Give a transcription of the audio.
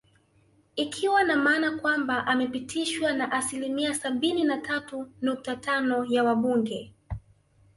Ikiwa na maana kwamba amepitishwa na asilimia sabini na tatu nukta tano ya wabunge